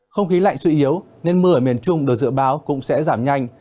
không khí lạnh suy yếu nên mưa ở miền trung được dự báo cũng sẽ giảm nhanh